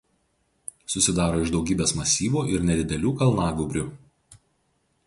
Susidaro iš daugybės masyvų ir nedidelių kalnagūbrių.